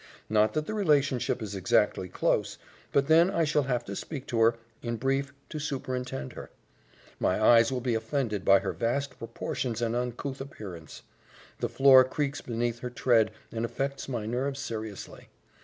Not that the relationship is exactly close, but then I shall have to speak to her in brief, to superintend her. My eyes will be offended by her vast proportions and uncouth appearance. The floor creaks beneath her tread and affects my nerves seriously.